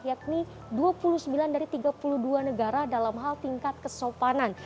yakni dua puluh sembilan dari tiga puluh dua negara dalam hal tingkat kesopanan